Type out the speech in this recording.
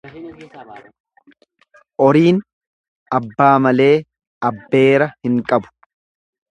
Oriin abbaa malee abbeera hin qabu.